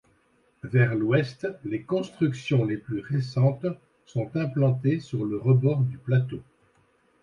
Vers l'ouest, les constructions les plus récentes sont implantées sur le rebord du plateau.